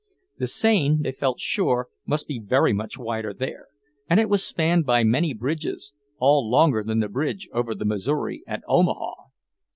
The Seine, they felt sure, must be very much wider there, and it was spanned by many bridges, all longer than the bridge over the Missouri at Omaha.